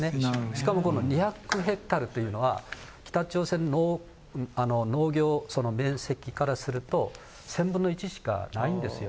しかもこの２００ヘクタールというのは、北朝鮮の農業面積からすると、１０００分の１しかないんですよ。